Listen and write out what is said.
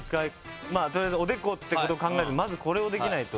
取りあえずおでこって考えずまずこれをできないと。